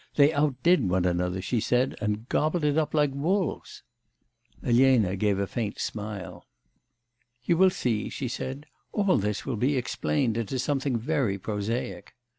They outdid one another, she said, and gobbled it up like wolves.' Elena gave a faint smile. 'You will see,' she said, 'all this will be explained into something very prosaic.